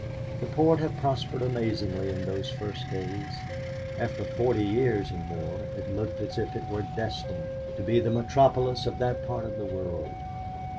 The port had prospered amazingly in those first days. After forty years and more it looked as if it were destined to be the metropolis of that part of the world.